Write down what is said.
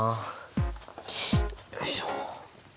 よいしょ。